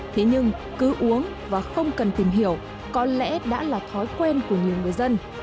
thế nhưng cứ uống và không cần tìm hiểu có lẽ đã là thói quen của nhiều người dân